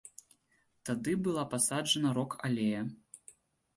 Тады была пасаджана рок-алея.